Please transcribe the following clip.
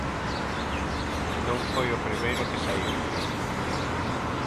Non foi o primeiro que saíu.